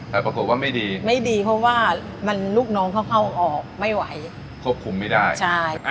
แต่ปรากฏว่าไม่ดีไม่ดีเพราะว่ามันลูกน้องเขาเข้าออกไม่ไหวควบคุมไม่ได้ใช่